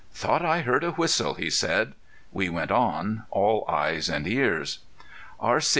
"Thought I heard a whistle," he said. We went on, all eyes and ears. R.C.